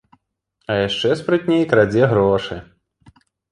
А яшчэ спрытней крадзе грошы.